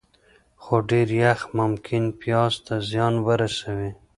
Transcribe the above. خو ډېر یخ ممکن پیاز ته زیان ورسوي.